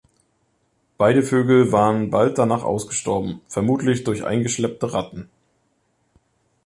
Beide Vögel waren bald danach ausgestorben, vermutlich durch eingeschleppte Ratten.